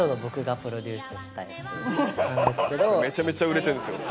めちゃめちゃ売れてんですよ。